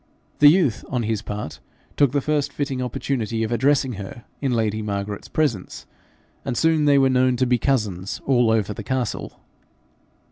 The youth on his part took the first fitting opportunity of addressing her in lady Margaret's presence, and soon they were known to be cousins all over the castle.